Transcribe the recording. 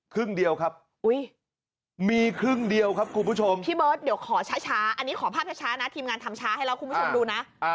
ครึ่งเดียวครับมีครึ่งเดียวครับคุณผู้ชมพี่เบิร์ตเดี๋ยวขอช้าอันนี้ขอภาพช้านะทีมงานทำช้าให้แล้วคุณผู้ชมดูนะ